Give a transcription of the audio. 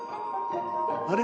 あれ？